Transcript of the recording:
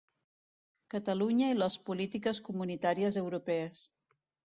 Catalunya i les polítiques comunitàries europees.